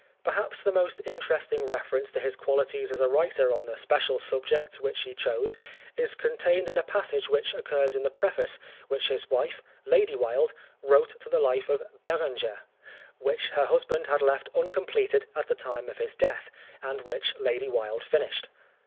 Perhaps the most interesting reference to his qualities as a writer on the special subjects which he chose is contained in a passage which occurs in the preface which his wife, Lady Wilde, wrote to the life of Beranger, 24 K v.v AS' TlLi "^ The Life of Oscar Wilde which her husband had left uncompleted at the time of his death, and which Lady Wilde finished.